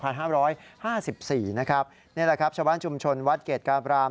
นี่แหละครับชาวบ้านชุมชนวัดเกรดกาบราม